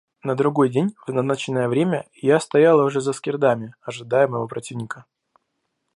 На другой день в назначенное время я стоял уже за скирдами, ожидая моего противника.